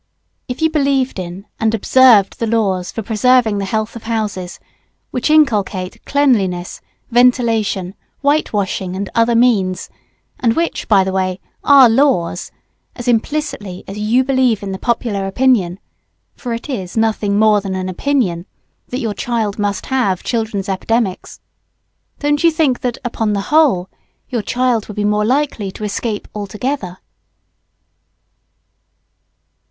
If you believed in and observed the laws for preserving the health of houses which inculcate cleanliness, ventilation, white washing, and other means, and which, by the way, are laws, as implicitly as you believe in the popular opinion, for it is nothing more than an opinion, that your child must have children's epidemics, don't you think that upon the whole your child would be more likely to escape altogether?